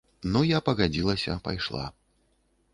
Ну я пагадзілася, пайшла.